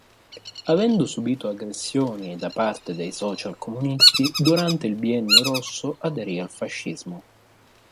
Avendo subito aggressioni da parte dei social-comunisti durante il biennio rosso aderì al Fascismo.